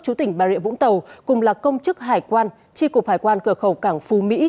chú tỉnh bà rịa vũng tàu cùng là công chức hải quan tri cục hải quan cửa khẩu cảng phú mỹ